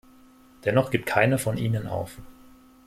Dennoch gibt keine von ihnen auf.